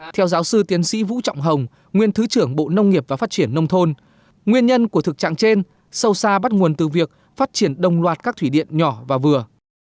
theo giáo sư tiến sĩ vũ trọng hồng nguyên thứ trưởng bộ nông nghiệp và phát triển nông thôn nguyên nhân của thực trạng trên sâu xa bắt nguồn từ việc phát triển đồng loạt các thủy điện nhỏ và vừa